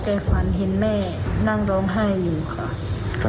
แต่ฝันเห็นแม่นั่งร้องไห้อยู่ค่ะ